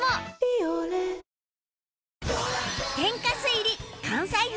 天かす入り関西風